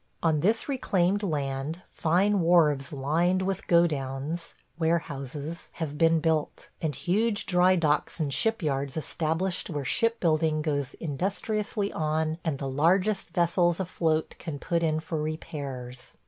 On this reclaimed land fine wharves lined with godowns (warehouses) have been built, and huge dry docks and shipyards established where shipbuilding goes industriously on and the largest vessels afloat can put in for repairs.